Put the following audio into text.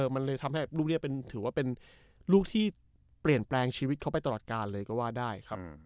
มันเลยทำให้ลูกนี้ถือว่าเป็นลูกที่เปลี่ยนแปลงชีวิตเขาไปตลอดการเลยก็ว่าได้ครับ